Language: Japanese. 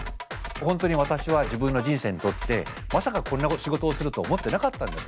本当に私は自分の人生にとってまさかこんな仕事をすると思ってなかったんですね。